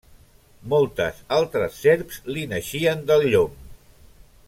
Moltes altres serps li naixien del llom.